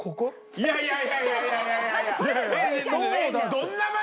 いやいやいやいや。